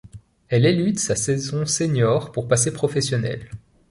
Elle élude sa saison senior pour passer professionnelle.